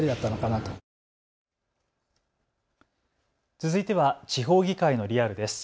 続いては地方議会のリアルです。